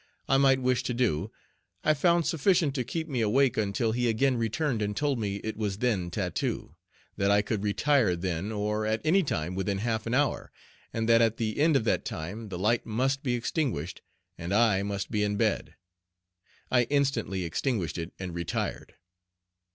I might wish to do, I found sufficient to keep me awake until he again returned and told me it was then tattoo, that I could retire then or at any time within half an hour, and that at the end of that time the light must be extinguished and I must be in bed. I instantly extinguished it and retired.